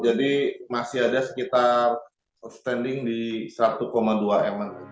jadi masih ada sekitar outstanding di satu dua miliar rupiah